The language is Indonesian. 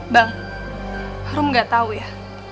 bang rom gak tau ya